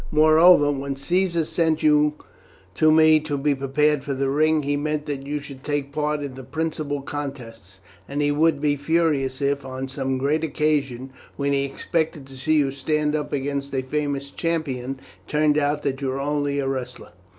Moreover, when Caesar sent you to me to be prepared for the ring, he meant that you should take part in the principal contests, and he would be furious if, on some great occasion, when he expected to see you stand up against a famous champion, it turned out that you were only a wrestler."